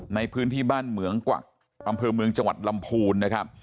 ในพื้นที่บ้านเหมืองกวักอำเภอเมืองจังหวัดลำพูนนะครับ